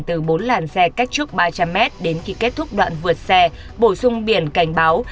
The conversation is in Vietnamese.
từ bốn làn xe cách trước ba trăm linh m đến khi kết thúc đoạn vượt xe bổ sung biển cảnh báo